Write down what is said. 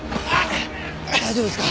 大丈夫ですか？